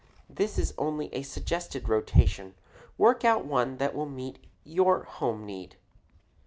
This is only a suggested rotation. Work out one that will meet your home need.